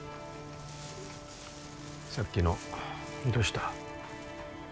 さっきのどうした？